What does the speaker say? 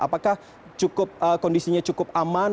apakah kondisinya cukup aman